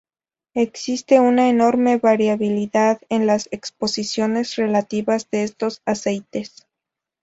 Existe una enorme variabilidad en las composiciones relativas de estos aceites.